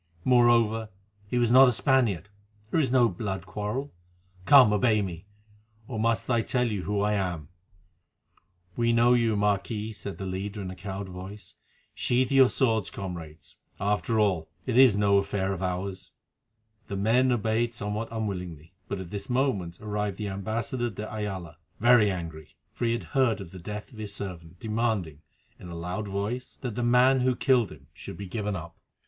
Moreover, he was not a Spaniard, there is no blood quarrel. Come, obey me! or must I tell you who I am?" "We know you, Marquis," said the leader in a cowed voice. "Sheath your swords, comrades; after all, it is no affair of ours." The men obeyed somewhat unwillingly; but at this moment arrived the ambassador de Ayala, very angry, for he had heard of the death of his servant, demanding, in a loud voice, that the man who had killed him should be given up.